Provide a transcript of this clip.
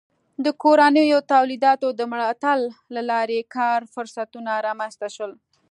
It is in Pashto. د کورنیو تولیداتو د ملاتړ له لارې کار فرصتونه رامنځته شول.